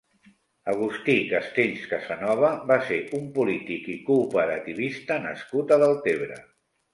Agustí Castells Casanova va ser un polític i cooperativista nascut a Deltebre.